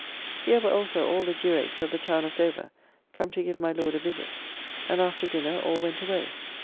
Here were also all the Jurates of the town of Dover come to give my Lord a visit, and after dinner all went away.